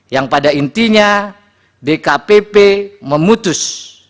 yang pada intinya dkpp memutus